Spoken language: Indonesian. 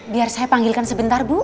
biar saya panggilkan sebentar bu